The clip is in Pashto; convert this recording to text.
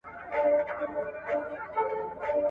آیا ته پوهېږې چې تسلیمېدل یوازې د ضعیفو خلکو کار دی؟